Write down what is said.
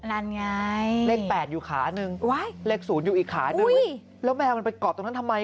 เลข๘อยู่ขานึงเลข๐อยู่อีกขานึงแล้วแมวมันไปกรอบตรงนั้นทำไม